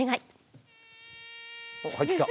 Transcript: おっ入ってきた！